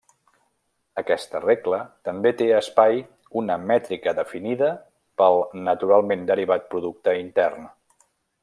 Aquesta regla també té espai una mètrica definida pel naturalment derivat producte intern.